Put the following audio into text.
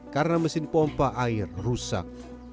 karena mesin pompa air rusak